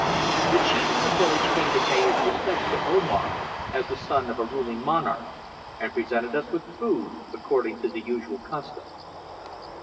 The chief of the village came to pay his respects to Omar, as the son of a ruling monarch, and presented us with food according to the usual custom.